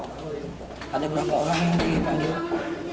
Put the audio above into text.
ada berapa orang yang diperiksa